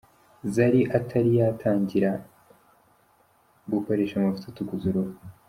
Zari atari yataratangira gukoresha amavuta atukuza uruhu.